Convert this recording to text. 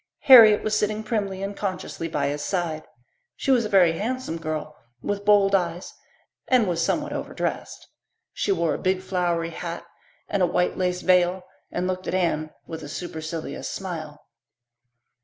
Harriet was sitting primly and consciously by his side; she was a very handsome girl with bold eyes and was somewhat overdressed. She wore a big flowery hat and a white lace veil and looked at Anne with a supercilious smile.